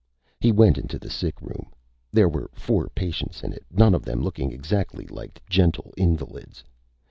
He went into the sick room. There were four patients in it, none of them looking exactly like gentle invalids.